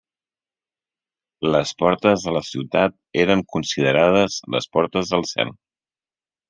Les portes de la ciutat eren considerades les portes del cel.